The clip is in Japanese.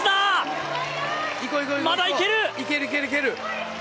まだいける！